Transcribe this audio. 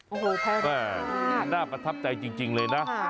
โอ้โหแม่น่าประทับใจจริงเลยนะ